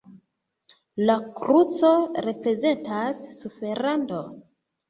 La kruco reprezentas suferadon.